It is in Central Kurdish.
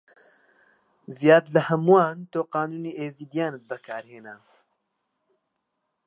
زیاد لە هەمووان تۆ قانوونی ئیزدیانت بەکار برد: